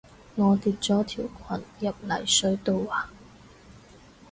我跌咗條裙入泥水度啊